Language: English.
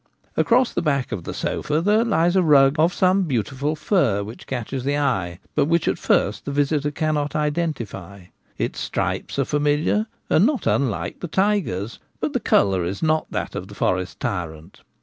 Across the back of the sofa there lies a rug of some beautiful fur which catches the eye, but which at first the visitor cannot identify. Its stripes are familiar, and not unlike the tiger's, but the colour is not that of the forest tyrant.